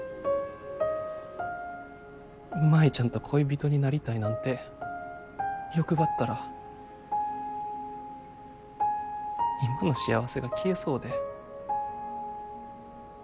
舞ちゃんと恋人になりたいなんて欲張ったら今の幸せが消えそうで。